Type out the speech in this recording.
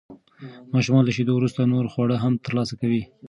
ماشومان له شیدو وروسته نور خواړه هم ترلاسه کوي.